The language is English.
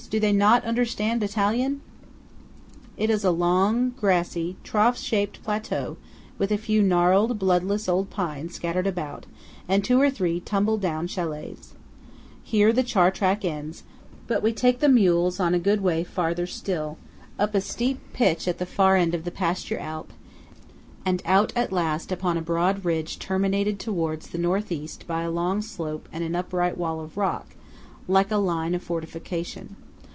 do they not understand Italian?" It is a long, grassy, trough shaped plateau, with a few gnarled, bloodless old pines scattered about, and two or three tumble down chalets. Here the char track ends; but we take the mules on a good way farther still, up a steep pitch at the far end of the pasture Alp, and out at last upon a broad ridge terminated towards the North East by a long slope and an upright wall of rock, like a line of fortification.